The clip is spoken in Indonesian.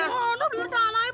tidak udah beli rencana aja belum